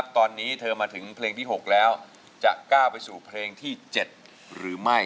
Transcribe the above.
ตอนนี้เธอมาถึงเพลงที่๖แล้วจะก้าวไปสู่เพลงที่๗หรือไม่